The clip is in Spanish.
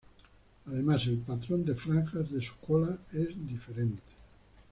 Además el patrón de franjas de su cola es diferente.